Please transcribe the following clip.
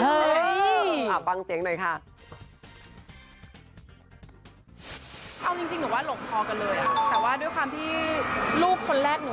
มันแบบเป็นสิ่งที่เขารอคอยเขาได้เป็นคุณพ่อเสร็จดี